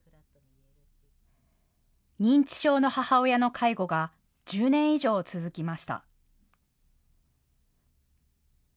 認知症の母親の介護が１０年以上続きました。